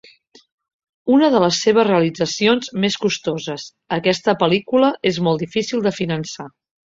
Una de les seves realitzacions més costoses, aquesta pel·lícula és molt difícil de finançar.